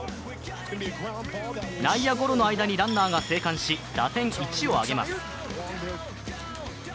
内野ゴロの間にランナーが生還し打点１を挙げます。